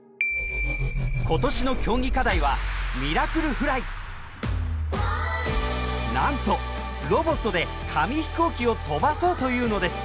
今年の競技課題はなんとロボットで紙飛行機を飛ばそうというのです。